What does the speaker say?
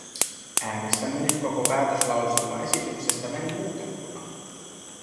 Äänestämme nyt koko päätöslauselmaesityksestä näin muutettuna.